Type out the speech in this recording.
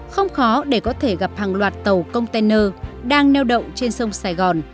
không khó để có thể gặp hàng loạt tàu container đang neo đậu trên sông sài gòn